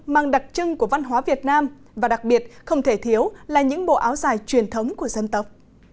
mang đặc trưng của văn hóa việt nam và đặc biệt không thể thiếu là những bộ áo dài truyền thống của dân tộc